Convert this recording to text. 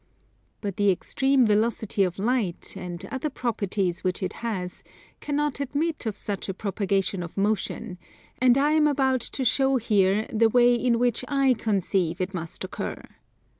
But the extreme velocity of Light, and other properties which it has, cannot admit of such a propagation of motion, and I am about to show here the way in which I conceive it must occur.